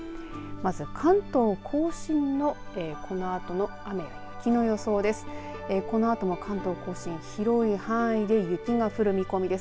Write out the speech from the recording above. まず、関東甲信のこのあとの雨や雪の予想です。